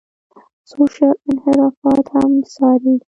سوشل انحرافات هم څاري.